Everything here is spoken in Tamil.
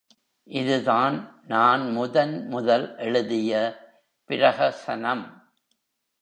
இதுதான் நான் முதன் முதல் எழுதிய பிரஹசனம்.